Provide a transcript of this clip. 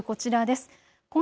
まずこちらです。